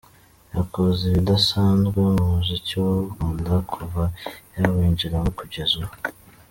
Yakoze ibidasanzwe mu muziki w’u Rwanda kuva yawinjiramo kugeza ubu.